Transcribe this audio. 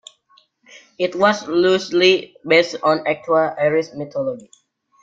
It was loosely based on actual Irish mythology.